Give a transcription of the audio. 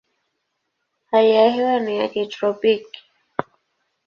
Hali ya hewa ni ya kitropiki.